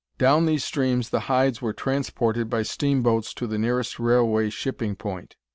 Down these streams the hides were transported by steam boats to the nearest railway shipping point.